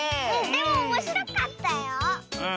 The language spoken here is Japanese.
でもおもしろかったよ。